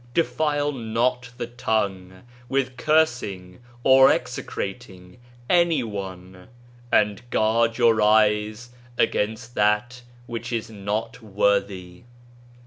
Defile not the tongue with cursing or execrating any one, and guard your eyes against that which is not worthy.